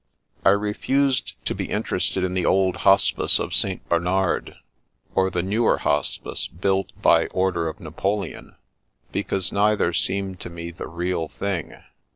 I refused to be interested in the old Hospice of St. Bernard, or the newer Hospice, built by order of Napoleon, because neither seemed to me the real thing.